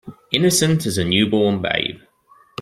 Innocent as a new born babe.